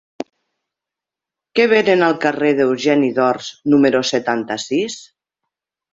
Què venen al carrer d'Eugeni d'Ors número setanta-sis?